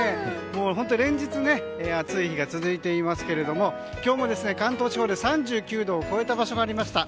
もう、連日暑い日が続いていますけれども今日も関東地方で３９度を超えた場所がありました。